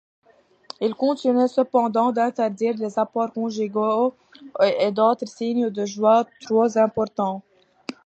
Ils continuaient cependant d'interdire les rapports conjugaux et d'autres signes de joie trop importants.